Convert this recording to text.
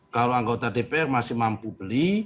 kalau anggota dpr masih mampu beli